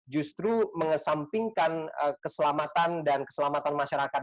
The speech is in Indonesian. justru mengesampingkan keselamatan dan keselamatan masyarakat